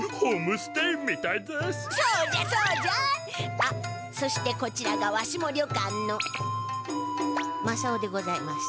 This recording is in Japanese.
あっそしてこちらがわしも旅館のまさおでございます。